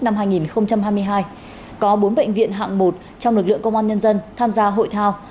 năm hai nghìn hai mươi hai có bốn bệnh viện hạng một trong lực lượng công an nhân dân tham gia hội thao